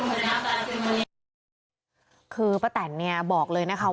เนี่ยบอกเลยนะคะว่าตอนที่ย้ายจากบ้านกกอก